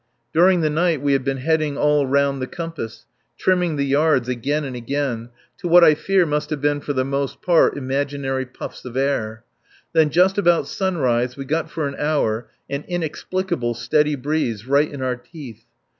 During the night we had been heading all round the compass, trimming the yards again and again, to what I fear must have been for the most part imaginary puffs of air. Then just about sunrise we got for an hour an inexplicable, steady breeze, right in our teeth.